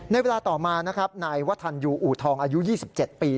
ในเวลาต่อมานายวัฒนยูอูทองอายุ๒๗ปี